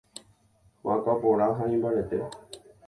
Hyakuã porã ha imbarete.